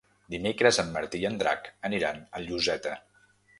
Dimecres en Martí i en Drac aniran a Lloseta.